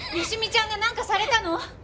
好美ちゃんがなんかされたの？